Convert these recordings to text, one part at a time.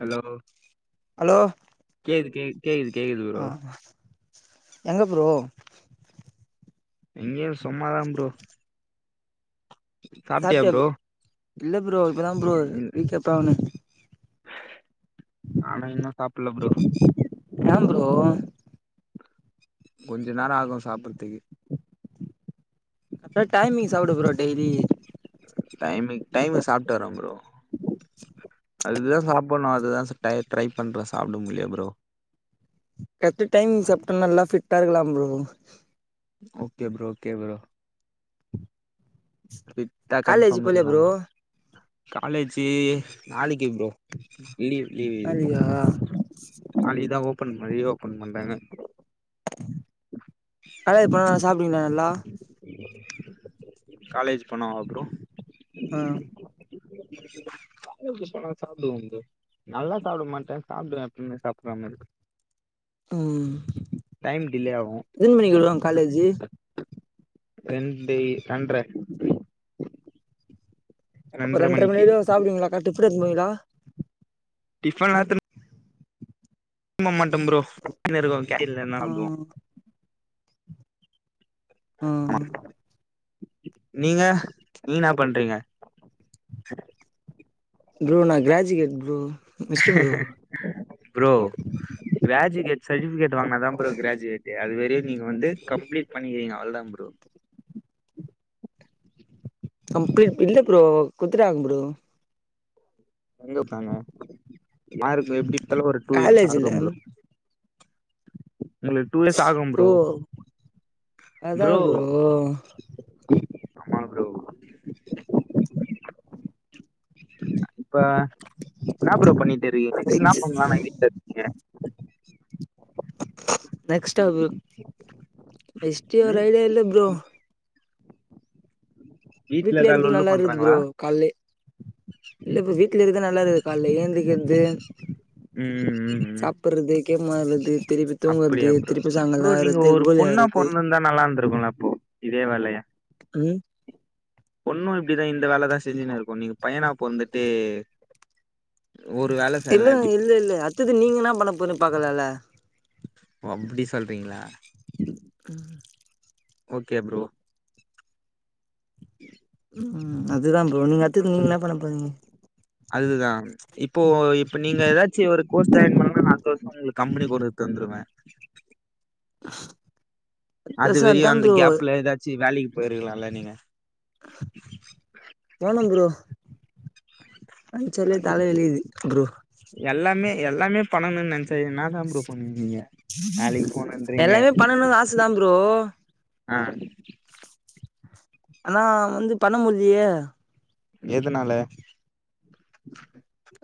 hello hello கேக்து கேக்குது கேக்குது கேக்குது ஆ ப்ரோ எங்க ப்ரோ எங்கேயு சும்மாதா ப்ரோ சாப்பிட்டியா ப் இல்ல ப்ரோ இப்பதா ப்ரோ வீட்ல இப்பதா வந்தே ஆனா இன்னு சாப்புட்ல ப்ரோ ஏ ப்ரோ கொஞ்சோ நேரோ ஆகு சாப்பிறதுக்கு லல்மா டைமிங் சாப்புடு ப்ரோ டெய்லி டைமிங் டைமு சாப்டறே ப்ரோ அதுதா சாப்ணு அதுதா டரை ட்ரை பண்றேன் சாப்புட முடியல ப்ரோ கரெட் டைம் சாப்புட்டா நல்லா ஃபிட்டா இருக்கலா bro okay bro okay bro ஃபிட்டா காலேஜ் கன்ஃபார்ம் போலயா இருக்கலா ப்ரோ காலேஜு நாளைக்கி ப்ரோ லீவ் லீவ் இது இப்போ நாளைக்கா நாளைக்குதா ஓப் ஓப்பன் மாரி ரஓப்பன் பண்றாங்க அத பழே சாப்புடுவீங்களா நல்லா காலேஜு பணோ அப்றோ ஆ காலேஜி போனா சாப்பிடுவோ ப்ரோ நல்லா சாப்ட மாட்டேன் சாப்டுவேன் எப்பயுமே சாப்டுற மாரி ம் ஆகும் எத்தன்ன மணிக்கு விடுவாங்க காலேஜு க்கு ரெண்டுயு ஹன்ரட் அப்ப ரெண்றர மணி வரையு சாப்டுவீங்களா காட்டு சாப்ட போவீங்களா டிபன் ஆ எடுத்துட்டு [unintelligible] இருக்கும் ப்ரோ கேரியல்ல என்ன இருக்கு கேரியல்லன்னா ஆ சாப்புடுவோம் ம் நீங்க நீ என்ன பண்றீங்க ப்ரோ நா graduate bro mister bro bro graduate certificate வாங்குனாதாப் ப்ரோ கிராஜுவேட்டு அது பெரிய நீங்க வந்து கம்ப்ளீட் பண்ணிக்கிறீங்க அவளோதா ப்ரோ கம்ப்ளீட் இல்ல ப்ரோ குடுத்துட்டாங்க ப்ரோ எங்க குடுத்தாங்க யாருக்கு எப்டி பாத்தாலும் ஒரு டூ இயர்ஸ் அனுபவே காலேஜ்ல ஆகு ப்ரோ உங்களுக்கு டூ லேக்ஸ் ஆகும் ஓ ப்ரோ ப்ரோ அம்மா ப்ரோ இப்ப என்னா ப்ரோ பண்ணிட்டு இருகீங்க, நெக்ஸ்ட் என்னா பண்லானு ஐடியா இருக்கீங்க நெக்ஸ்ட் அது நெக்ஸ்ட் ஒரு ம் ஐடியா இல்ல ப்ரோ வீட்ல எதா இருக்து லொல்லு நல்லா இருக்து பண்றாங்களா ப்ரோ கால்லே இல்ல ப்ரோ வீட்டுல இருக்க ந நல்லா இருக்குது கால்ல எழுந் திகந்து ம் ம் ம் ம் சாப்புடுறது கேம் மாட் றது அப்படியா ப்ரோ, ப்ரோ நீங்க ஒரு கோலி பொண்ணா ஆறது பொறந்துருந்தா நல்லா இருந்திருக்கும்ல அப்போ இதே வேலய ம் பொண்ணும் இப்படிதான் இந்த வேலதான் செஞ்சுன்னு இருக்கு நீங்க பையனா பொறந்துட்டு ஒரு வேல செய்யலனா இல்லங் எப்டி இல்ல இல்ல அடுத்தது நீங்க என்ன பண்ணப் போற பாக்கலல்ல ஓ அப்டி சொல்றீங்களா தண்ணீர் சத்தம் கேக்குது ஓக்கே புரோ க்கும் ம் அதுதான் புரோ நீங்க அடுத்ததா நீங்க என்ன பண்ண போறிங்க அதுதான் இப்போ இப்ப நீங்க ஏதாச்சும் ஒரு கோர்ஸ் ஜாயின் பண்ணும்னா அடுத்த வருஷம் உங்களுக்கு கம்பெனி குடுத்து தந்துருவேன் பெருசா அதா அதுவரைக்கும் அந்த ப்ரோ கேப்ல ஏதாச்சும் வேலைக்கு போயிருக்கலால்ல நீங்க என்ச்சாலே காலேல லீவு ப்ரோ எல்லாமே எல்லாமே பண்ணணும்னு நினைச்சா என்னா தான் புரோ பண்ணுவீங்க வேலைக்கு போணுன்றீங்க எல்லாமே பண்ணணும் ஆசைதான் புரோ ஆஹ் ஆனா வந்து பண்ண முடிலியே எதனால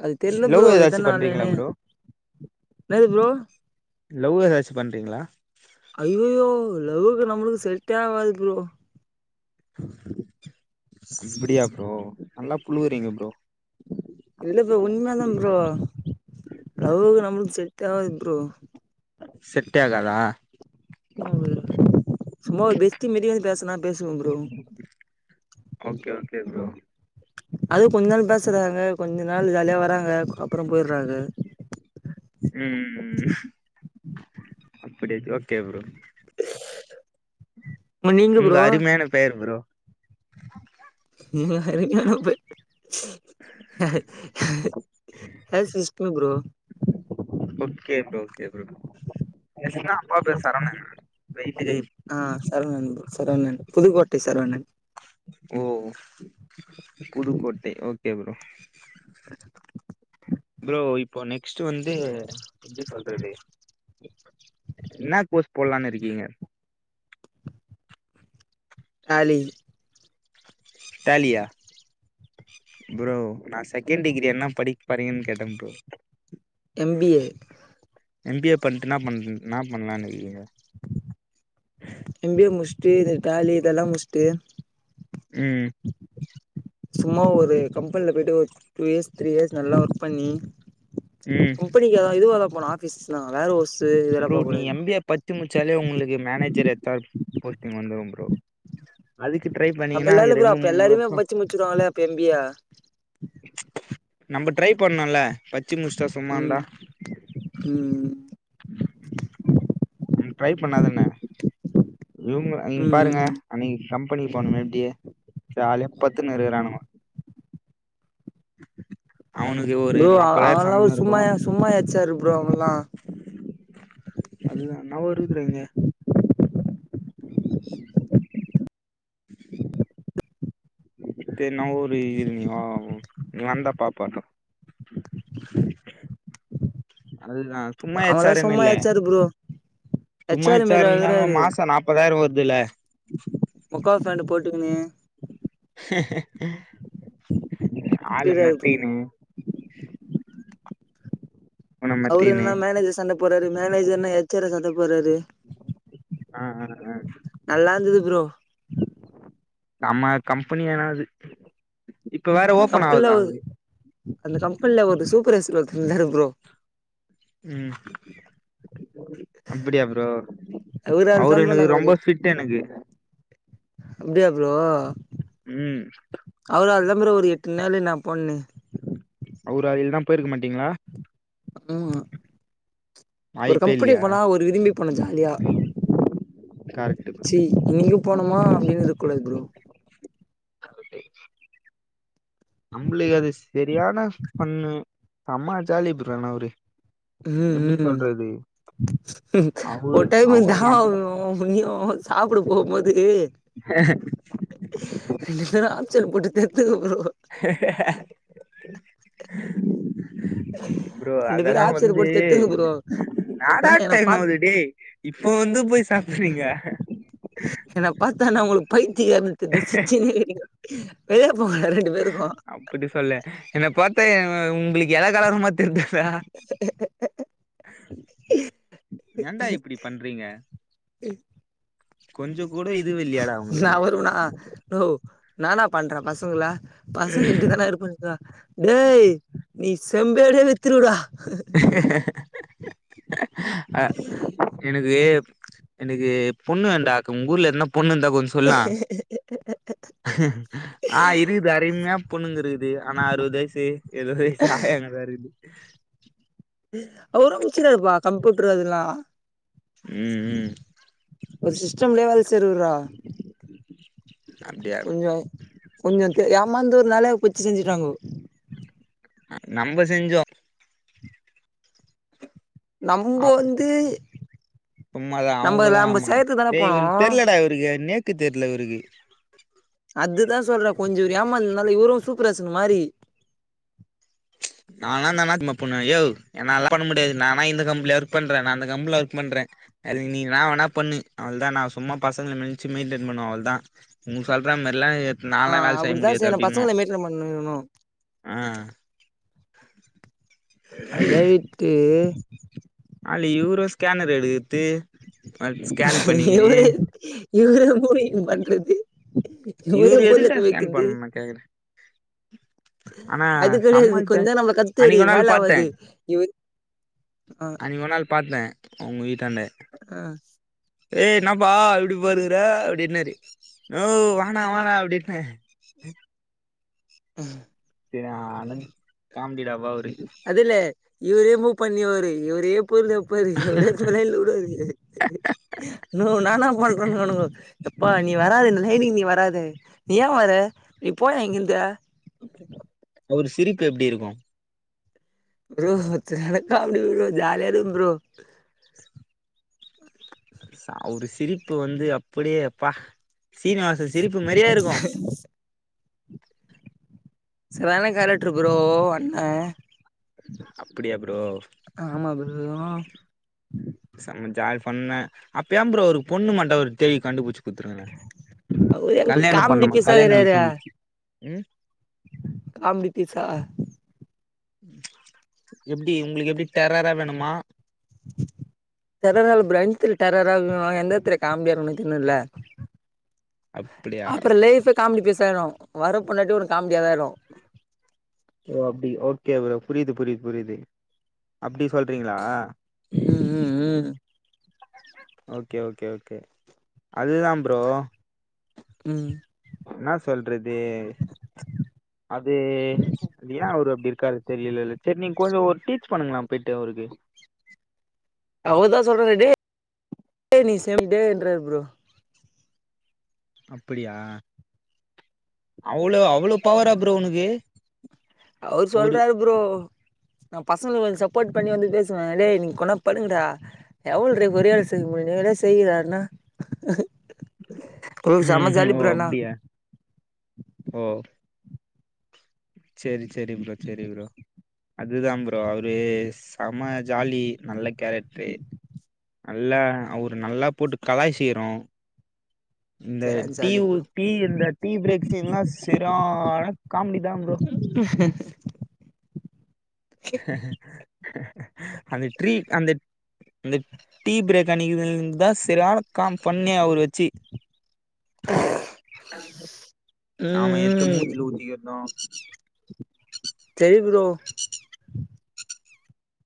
அது தெரியல புரோ பண்றீங்களா எதுனாலன்னு ப்ரோ என்னது புரோ லவ்வு எதாச்சும் பண்றீங்களா ஐய்யய்யோ லவ்வுக்கு நம்மளுக்கு செட்டே ஆகாது புரோ அப்டியா புரோ நல்லா புழுவுறீங்க புரோ இல்ல உண்மை தான் புரோ லவ்வுக்கு நம்மளுக்கு செட்டாகாது புரோ செட்டே ஆகாதா [unintelligible] சும்மா ஒருபெஸ்ட்டி மாரி பேசுனா பேசுவ புரோ ஓக்கே ஓக்கே புரோ அது கொஞ்சோ நாள் பெஸ்ராங்க கொஞ்சோ நாள் ஜாலியா வராங்க ங்க அப்ரோ போயிறாக ம்ம் ம் அப்டி ஓக்கே புரோ ஆமா நீங்க உங்க ப்ரோ அருமையான பெயர் bro [inaudible] [inaudible] [unintelligible] bro okay bro okay pro [unintelligible] அப்பா பேரு சரவணனா ஆஹ் சரவணன் ப்ரோ சரவணன் புதுக்கோட்டை ச சரவணன் ஓ புதுக்கோட்டை ஓக்கே புரோ புரோ இப்போ நெக்ஸ் ட்டு வந்து எப்படி சொல்றது என்ன கோர்ஸ் போடலானு இருக்கீங்க டாலி டேலியா ப்ரோ நா செகண்ட் டிகிரி என்ன படிக்க போறீங்கன்னு கேட்ட ப்ரோ எம் பிஏ எம்பிஏ பண்ட்டுனா என்ன பண்ணலாம்னு இருக்கீங்க எம்பி எ முடிச் ட்டு து டேலி இதெல்லா முடிச்சிட்டு உம் சும்மா ஒரு கம்பெனில போயிட்டு டூ இயர்ஸ் த்ரீ இயர்ஸ் நல்லா ஒர்க் பண்ணி ம் கம்பெனிக்கு இதுவா தா போனா ஃ சொனலா ரோஸ் [unintelligible] எல்லா போ கூடாது ச்சி முடிச்சாலே உங்களுக்கு மேனேஜர் ஹெச் ஆர் வந்துரு ப்ரோ அதுக்கு ட்ரை அப்பிடி பண்ணீங்கன்னா எல்லால ப்ரோ ரெண்டு அப்ப மூணு எல்லாாரையுமே வருஷோ பச்சு முடிச்சுடுவாங்களே இப்ப எம்பியா நம்ம ட்ரை பண்னுலா ச்சி முஷ்டா சும்மா ம் இருந்த ம் [unintelligible] ட்ரை பண்ணாதானே இவங்க இங்க பாருங்க ம் அன்னைக்கு கம்பெனிக்கு போனமே இப்டியே ஜாலியா படுத்துனு இருக்கானனுங்க [unintelligible] ஒரு ப்ரோ அவ நாப்பதாயிரோ எல்லா சம்பளோ இருக்கு சும்மா சும்மா எச்சாரு அதா [unintelligible] மத்த ஊரு நீ வந்த பாப்ப அதுதான் அவல்லாம் சும்மா எச்ஆ ர் ப்ரோ எச் சும்மா ஆரு ஹெச் மிர ஆர் இருந்தாலு ருக்குறாரு மாசோ நாப்பதாயிரோ வருதுல்ல முக்காபேண்டு போட்டு விட்டு நீே [unintelligible] [unintelligible] ஆல திரியிறாரு ப்ரோ மெர்டிங்னு [unintelligible] அவர என்னா ம மோனேஜர் சண்ட போறார மானேஜர் ந எச்சார ச போறாறு ஆஹ் உஹ் ஆஹ் நல்லா இருந்தது ப்ரோ நம்ம கம்பெனி என்னாவது அந்த கம்பென்ல வொரு அந்த கம்பெனில வொரு சூப்பர்வைசர் வொருத்ரு இருந்தாரு ப்ரோ உம் அப்டியாப்ரோ அவரால் தா அவரு ப்ரோ யெனக்கு நாங்க ரொம்ப ஃபிட் யெனக்கு அப்டியாப்ரோ உம் அப்றம் ஒரு எட்டு நாளு நான் போன்னே அவரு அதுல் தான் போயிருக்க மாட்டீங்களா ஆமா ஒரு வாய்ப்பே கம்பெனி இல்லையா போனா ஒரு விரும்பி போனோம் ஜாலியா கரெக்ட் ப்ரோ ச்சீ யிங்க போனமா அப்டின்னுருக்க கூடாது புரோ [unintelligible] நம்ளுக்கு அது சரியான பண்ணு செம்ம ஜாலி ப்ரோ அவரு உம் எப்படி உம் சொல்றது அவரு ஒட்ட [unintelligible] அவரு நம்ம ப்ரோ புண்ணியோ சாப்பிட போகும் போது ஏ யென்னடா ச்சர் போட்டு தேத்துகோ ஹ ஹ [unintelligible] [inaudible] ப்ரோ ரெண்டு பேரு அதெல்லாம் ஆப்ஷன் வந்து போட்டு தெத்துங்க ப்ரோ ன்னடா என்ன என்ன டைம் பாத் ஆவ்து டே யிப்போ வந்து போய் சாப்பிறீங்க யென பாத்தானா உங்களுக்கு பைத்திய காரனாத்தெர்தா சிரிச்சின்னே ரிகிங்க வெய [unintelligible] அப்டி சொல்ல என்ன பாத்த ய உ உங்களுக்கு எளக்காரமா தெர்தா [unintelligible] [unintelligible] எண்டா இப்டி பண்றீங்க [unintelligible] கொஞ்சோ கூட இது இல்லையாடா உங்களுக்கு நாவருவனா நோவ் என்னான்னா பண்ற பசங்கள பசங்க இப்டிதானா இருப்ப [inaudible] தா ஏய் நீ செம்பெரியே வித்ருவடா [unintelligible] [unintelligible] அ எனக்கு எனக்கு பொண்ணு வேண்டாக் உங்க ஊர்ல என்னப் ஆ இருக்குதுடா அர்மையா பொண்ணுங்க இருக்குது ஆனா அறுபது வயசு எழுவது வயசு ஆயாங்தா இருக்குது ச அவரு முச்சிக்கிராருப்பா கம்ப்யூட்டரு அதுல்லா உம் உம் ஒரு சிஸ்டம்லே வேல செரி உடுரா அப்டியா கொஞ்சோ கொஞ்சோ தெரியாம் இம்மாந்துர் வேலையா போச்சி செஞ்சுட்டாங்கோ நம்ப செஞ்சோ நம்ப வந்து உம்மதா நம்ம அவுங்கதா நம்ம மா செய்றதுக்கு தான டே போனோ இவுருக்கு தெர்லடா இவருக்கு நே க்கு தெர்ல இவுருக்கு அதுதா சொல்றே கொஞ்சோ இவுரு ஏமாந்த்னால இவுரு சூப்பரேசன் மாரி நான இந்தனா எம்மா பொண்ண யோவ் என்னாலெல்லா பண்ண முடியாது நானா இந்த கம்பென்ல ஒர்க் பண்றே நா அந்த கம்பென்ல ஒர்க் பண்றே அது நீ என்னா வேணா பண்ணு அவுள்தா நா சும்மா பசங்கள மிச்சு மெயின்டென் பண்ணுவ அவுள்தா உ சொல்றா மர்லா ஆ அப்டிதா செய்யனு பசங்கள மேயின்டென் பண்ணணு ஆ அத விட்டு அல்லி இவுரு ஸ்கேனர் எடுக்கரத்து [unintelligible] ஸ்கேன் பண்ணிகின்னு இவரே மூடிக்கிட்டு பண்றது இவரா இவரு எதுக்குடா பொருளெடுத்து போய் ஸ்கேன் வைக்குரது பண்ண கேக்குறே ஆனா அது செம்ம கெடையாது ஜா கொஞ்சோ நம்ம கத்துரதே அன்னைக்கு ஒரு வேல நாள் பாத்தே ஆவாது இவர் ஆ ஒங்க வீட்டாண்ட ஆ ஏய் என்னப்பா இப்டி போயிருக்கற அப்படின்னாரு னோ வானா வானா அப்படின்ன ஹ் [unintelligible] ஆனந்த் காமெடிடா [unintelligible] அதுலே இவரே மூவ் பண்ணிவாரு இவரு ப்ப இருது அப்போ இருக்கு ஒரே தொலைல விடது னோ நானா பண்றன் ஒனக்கு எப்பா நீ வராத இந்த லைனுக்கு நீ வராது நீ ஏ வர நீ போயே இங்கிருந்து [inaudible] அவரு சிரிப்பு எப்டி இருக்கு ஃப்ரோ சரியான காமெடி ஃப்ரோ ஜாலியா இருக்கு ஃப்ரோ ச அவ்ரு சிரிப்பு வந்து அப்படியே ப்பா சீனிவாசன் சிரிப்பு மாரியே இருக்கு செல நேரொ கால ட்ரி ப்ரோ அண்ண அப்டியா ப்ரோ ஆமா ப்ரோ ஜால் ஃபன் அப்ப ஏம் ப்ரோ அவ்ருக் பொண்ணு மாட்ட தெரிய கண்டுபுச்சு குத்துருங்கண்ண அவரு எங்க கல்யாணம் காமெடி பண்ணமா கல்யாணம் வயச வந்துச்சு ம் காம்டி ஃபீஸா எப்டி உங்களுக்கு எப்டி டெரரா வேணுமா டெரரால [unintelligible] டெரரா எந்த எட்த்துல காமெடியா இருக்கனு தெர்னுன்ல அப்படியா காமெடி ஃபீசாயிடு வர பொண்டாட்டி ஒனக் காமெடி ஓ அப்டி ஓகே ப்ரோ புரியுது புரியுது புரியுது அப்டி சொல்றீங்ளா ம் ம் ம் ஓகே ஓகே ஓகே அதுதா ப்ரோ உம் என்னா சொல்றத் து அது ஏ அவரு அப்டி இருக்காரு தெரியல இல்ல சரி நீங்க கொஞ்சொ ஒரு டீச் பண்ணுங்கள போய்ட்டு அவருக்கு அவர்தா சொல்றாரு டே [inaudible] நீ சேமிட்டே என்றாரு ப்ரோ அப்படியா அவ்வளோ அவ்வளோ பவரா ப்ரோ உனக்கு அவுரு ஒரு சொல்றாரு ப்ரோ நா பசங்க கொஞ்சோ சப்போட் பண்ணி வந்து பேசுவே இல்லே நீ கொணப்படுங்கடா எவ்ள் ரே ஒரே வேல செய்ய முடிய [unintelligible] செய்யிறாருன்னா ப்ரோ ம் ஷெம ம் ஜாலி ஓ ப்ரோ ஆனா அப்டியா ஓ செரி செரி ப்ரோ சரி ப்ரோ அதுதா ப்ரோ அவுரு செம ஜாலி நல்ல கேரக்ட்ரு நல்லா அவுரு நல்லா போட்டு கலாய்ச்சிகிறோ இந்த செம ஜாலி டீயூ ப்ரோ டீ இந்த டீ பிரேக் சீன் ல்லா செர்ரான காமெடி தா ப்ரோ அந்த டீரீ அந்த அந்த டீ பிரேக் அணிக்க [unintelligible] தா செரியான காம் பண்ணி அவரு வெச்சு ஆமா ம் எத்த ம் மூல ஊத்திகிற்தோ செரி ப்ரோ